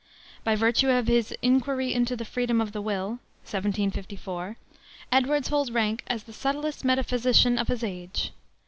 By virtue of his Inquiry into the Freedom of the Will, 1754, Edwards holds rank as the subtlest metaphysician of his age.